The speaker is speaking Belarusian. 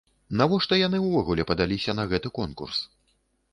Навошта яны ўвогуле падаліся на гэты конкурс?